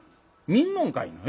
見んのんかいな。